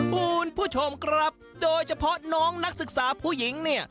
คุณผู้ชมครับโดยเฉพาะน้องนักศึกษาผู้หญิงเนี่ย